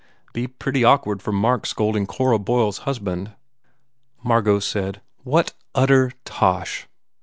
"Be pretty awkward for Mark scolding Cora Boyle s husband." Margot said, "What utter tosh!"